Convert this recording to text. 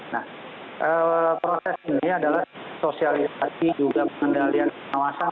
nah proses ini adalah sosialisasi juga pengendalian pengawasan